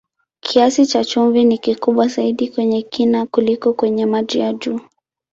Kiasi cha chumvi ni kikubwa zaidi kwenye kina kuliko kwenye maji ya juu.